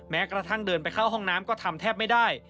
แม้กระทั่งเดินไปเข้าห้องน้ำก็ทำแทบไม่ได้